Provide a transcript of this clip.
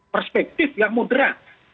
perspektif yang mudera